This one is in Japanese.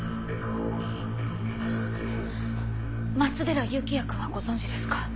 松寺有紀也君はご存じですか？